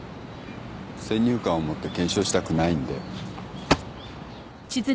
先入観を持って検証したくないんで。